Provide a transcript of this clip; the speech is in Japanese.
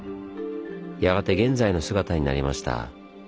やがて現在の姿になりました。